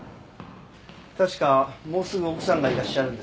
確かもうすぐ奥さんがいらっしゃるんですよね？